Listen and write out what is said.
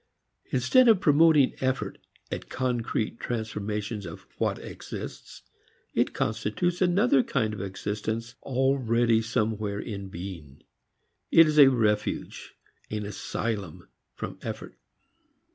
Instead of promoting effort at concrete transformations of what exists, it constitutes another kind of existence already somewhere in being. It is a refuge, an asylum from effort.